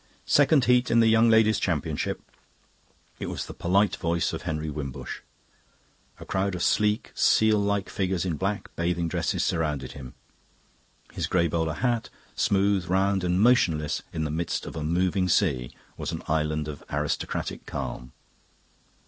"Second Heat in the Young Ladies' Championship." It was the polite voice of Henry Wimbush. A crowd of sleek, seal like figures in black bathing dresses surrounded him. His grey bowler hat, smooth, round, and motionless in the midst of a moving sea, was an island of aristocratic calm.